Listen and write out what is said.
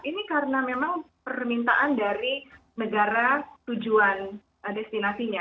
ini karena memang permintaan dari negara tujuan destinasinya